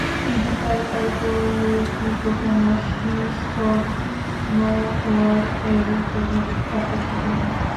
তিনি তার কল্পলৌকিক উপন্যাস নিউজ ফ্রম নোহোয়্যার-এর জন্য বিখ্যাত ছিলেন।